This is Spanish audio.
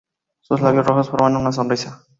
Sus labios rojos forman una sonrisa.